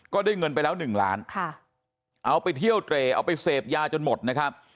ก็ได้เงินไปแล้วหนึ่งล้านค่ะเอาไปเที่ยวเตรเอาไปเสพยาจนหมดนะครับ